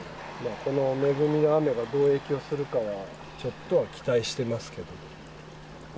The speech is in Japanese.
この恵みの雨がどう影響するかは、ちょっとは期待してますけど。